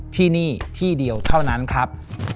ที่นี่ที่เดียวเท่านั้นครับ